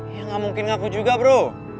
ya nggak mungkin ngaku juga bro